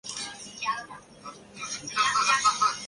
农委会亦一并修法放宽